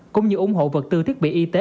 cũng như ủng hộ vật tư thiết bị y tế